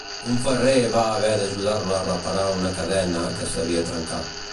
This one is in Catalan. Un ferrer va haver d'ajudar-la a reparar una cadena que s'havia trencat.